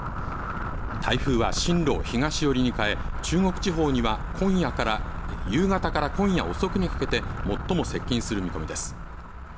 台風は進路を東寄りに変え中国地方には夕方から今夜遅くにかけて最も接近する見込みです。